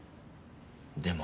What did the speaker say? でも。